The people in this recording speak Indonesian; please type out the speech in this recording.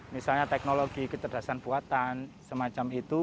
misalnya teknologi kecerdasan buatan semacam itu